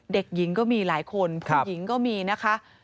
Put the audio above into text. เด็กหญิงก็มีหลายคนผู้หญิงก็มีนะคะ